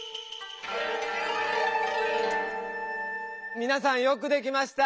みなさんよくできました！